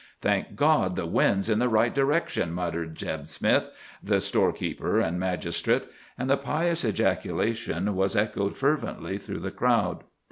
"Thank God the wind's in the right direction," muttered Zeb Smith, the storekeeper and magistrate. And the pious ejaculation was echoed fervently through the crowd.